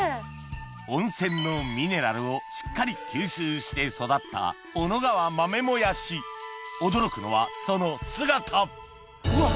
温泉のミネラルをしっかり吸収して育った驚くのはその姿うわっ！